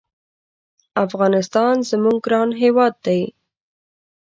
افغانستان زمونږ ګران هېواد دی